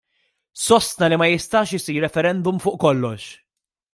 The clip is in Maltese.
Sostna li ma jistax isir referendum fuq kollox.